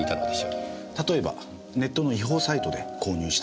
例えばネットの違法サイトで購入したとか。